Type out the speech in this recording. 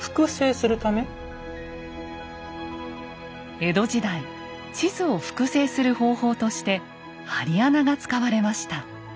江戸時代地図を複製する方法として「針穴」が使われました。